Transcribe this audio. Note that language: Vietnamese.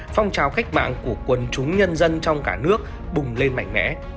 một nghìn chín trăm ba mươi một phong trào cách mạng của quần chúng nhân dân trong cả nước bùng lên mạnh mẽ